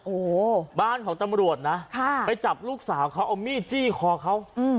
โอ้โหบ้านของตำรวจนะไปจับลูกสาวเขาเอามีดจี้คอเขา